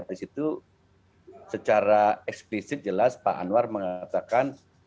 di situ secara eksplisit jelas pak anwar mengatakan